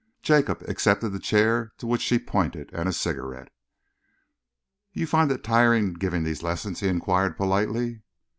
Jacob accepted the chair to which she pointed, and a cigarette. "You find it tiring giving these lessons?" he enquired politely.